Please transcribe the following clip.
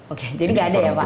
oke jadi nggak ada ya pak